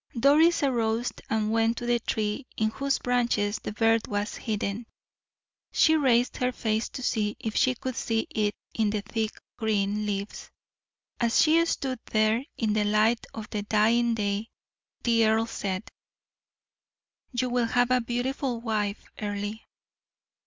Doris arose and went to the tree in whose branches the bird was hidden; she raised her face to see if she could see it in the thick green leaves. As she stood there, in the light of the dying day, the earl said: "You will have a beautiful wife, Earle."